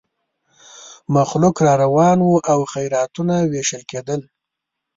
مخلوق را روان وو او خیراتونه وېشل کېدل.